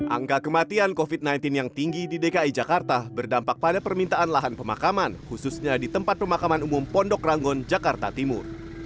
angka kematian covid sembilan belas yang tinggi di dki jakarta berdampak pada permintaan lahan pemakaman khususnya di tempat pemakaman umum pondok ranggon jakarta timur